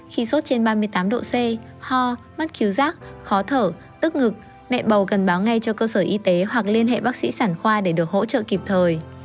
khi sốt trên ba mươi tám độ c ho mắt chiếu rác khó thở tức ngực mẹ bầu cần báo ngay cho cơ sở y tế hoặc liên hệ bác sĩ sản khoa để được hỗ trợ kịp thời